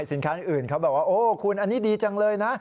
สินค้าอื่นเขาบอกว่าโอ้คุณอันนี้ดีจังเลยนะ